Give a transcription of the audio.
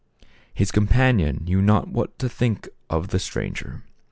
His companion knew not what to think of the stranger.